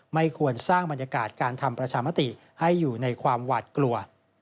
ไม่ควรสร้างบรรยากาศการทำประชามติให้อยู่ในความหวาดกลัว